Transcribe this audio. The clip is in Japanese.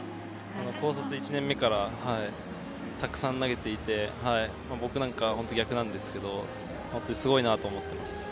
高卒１年目からたくさん投げていて僕なんかは逆なんですけど本当にすごいなと思っています。